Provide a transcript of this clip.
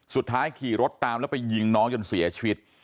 ขี่รถตามแล้วไปยิงน้องจนเสียชีวิต